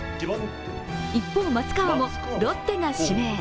一方、松川もロッテが指名。